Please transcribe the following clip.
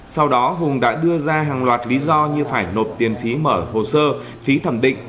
sau đó hùng đã đưa ra hàng loạt lý do như phải nộp tiền phí mở hồ sơ phí thẩm định